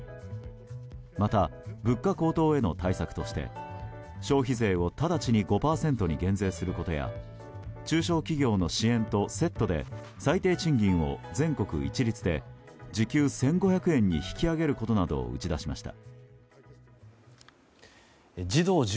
また、物価高騰への対策として消費税を直ちに５％に減税することや中小企業の支援とセットで最低賃金を全国一律で時給１５００円に引き上げることなどを打ち出しました。